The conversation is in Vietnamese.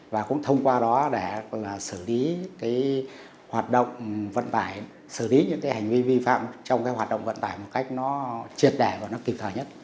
và cũng thông qua đó để xử lý cái hoạt động vận tải xử lý những cái hành vi vi phạm trong cái hoạt động vận tải một cách nó triệt đẻ và nó kịp thời nhất